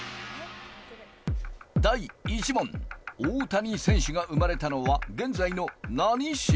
第１問大谷選手が生まれたのは現在の何市？